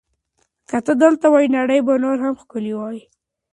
که ته دلته وای، نړۍ به نوره هم ښکلې وه.